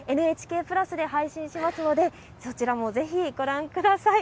ＮＨＫプラスで配信しますので、そちらもぜひご覧ください。